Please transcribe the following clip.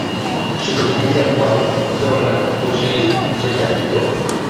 Czy też Liza byłaby zdolna uczynić coś takiego?